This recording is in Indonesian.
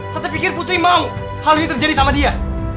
tapi pikir putri mau hal ini terjadi sama dia